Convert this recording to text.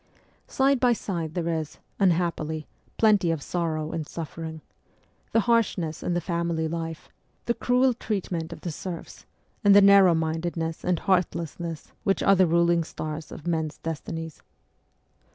Side by side there is, unhappily, plenty of sorrow and suffering : the harshness in the family life, the cruel treatment of the serfs, and the narrow minded ness and heartlessness which are the ruling stars of men's destinies.